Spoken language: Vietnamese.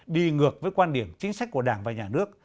đi ngược với quan điểm chính sách của đảng và nhà nước